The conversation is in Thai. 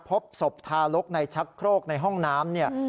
พบศพทารกในชักโครกในห้องน้ำเนี่ย